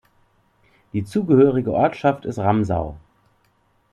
Die zugehörige Ortschaft ist Ramsau.